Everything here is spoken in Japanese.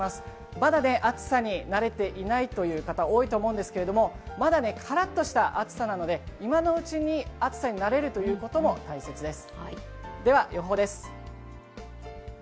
まだ暑さに慣れていないという方多いと思うんですけどまだからっとした暑さなので今のうちに暑さになれるということも大切です。